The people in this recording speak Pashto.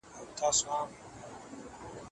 د هڅې قانون د هدفونو ترلاسه کولو لار ده.